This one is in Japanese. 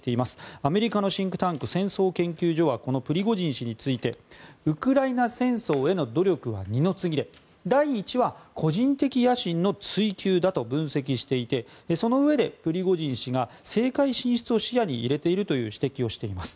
アメリカのシンクタンク戦争研究所はこのプリゴジン氏についてウクライナ戦争への努力は二の次で第一は個人的野心の追求だと分析していてそのうえでプリゴジン氏が政界進出を視野に入れているという指摘をしています。